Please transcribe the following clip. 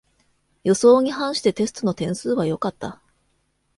予想に反してテストの点数は良かった